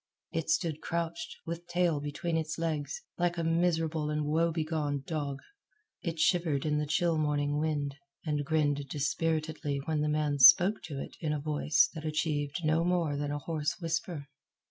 It stood crouched, with tail between its legs, like a miserable and woe begone dog. It shivered in the chill morning wind, and grinned dispiritedly when the man spoke to it in a voice that achieved no more than a hoarse whisper.